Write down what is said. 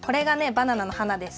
バナナの花です。